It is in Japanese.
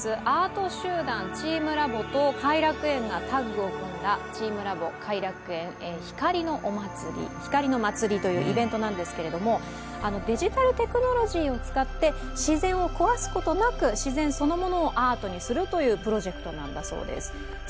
アート集団、チームラボと偕楽園がタッグを組んだ、チームラボ偕楽園の光の祭というイベントなんですけれども、デジタルテクノロジーを使って自然を壊すことなく自然そのものをアートにするというプロジェクトなんだそうです。